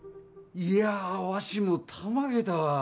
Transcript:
いやわしもたまげたわ。